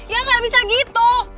ya gak bisa gitu